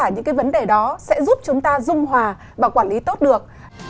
những cái vấn đề đó sẽ giúp chúng ta dung hòa và quản lý tốt được